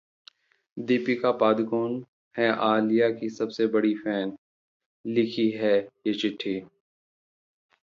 दीपिका पादुकोण हैं आलिया की सबसे बड़ी फैन, लिखी है ये चिट्ठी